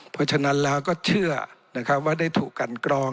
เพราะฉะนั้นเราก็เชื่อนะครับว่าได้ถูกกันกรอง